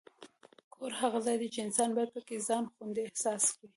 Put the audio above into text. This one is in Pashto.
کور هغه ځای دی چې انسان باید پکې ځان خوندي احساس کړي.